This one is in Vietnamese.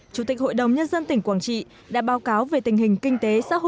chủ tịch hội đồng nhân dân tỉnh quảng trị đã báo cáo về tình hình kinh tế